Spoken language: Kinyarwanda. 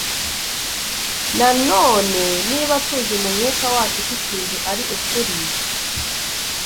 Na none niba tuzi mu mwuka wacu ko ikintu ari kuri